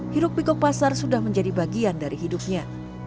hidup pikok pasar sudah menjadi bagian dari hidupnya